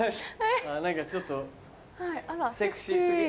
何かちょっとセクシー過ぎる。